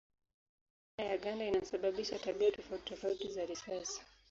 Aina ya ganda inasababisha tabia tofauti tofauti za risasi.